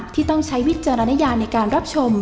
ต้องใช้วิจารณญาในการรับชม